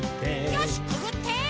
よしくぐって！